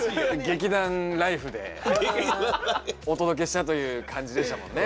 劇団「ＬＩＦＥ！」でお届けしたという感じでしたもんね。